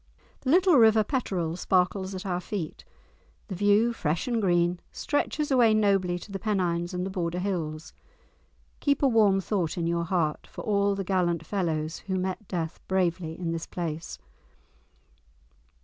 The little river Petteril sparkles at our feet; the view, fresh and green, stretches away nobly to the Pennines and the Border Hills. Keep a warm thought in your heart for all the gallant fellows who met death bravely in this place.